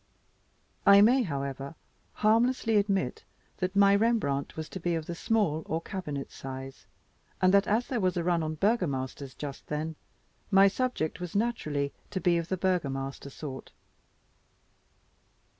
I may, however, harmlessly admit that my Rembrandt was to be of the small or cabinet size, and that, as there was a run on Burgomasters just then, my subject was naturally to be of the Burgomaster sort.